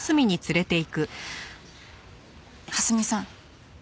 蓮見さん